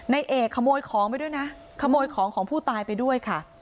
ในเอกขโมยของไปด้วยนะขโมยของของผู้ตายไปด้วยค่ะ